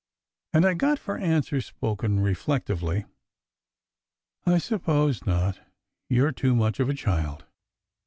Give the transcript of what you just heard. And I got for answer, spoken reflectively: "I suppose not. You re too much of a child."